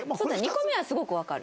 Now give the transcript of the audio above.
２個目はすごくわかる。